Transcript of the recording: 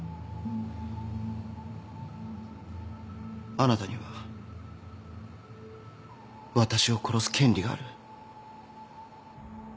あなたには私を殺す権利がある。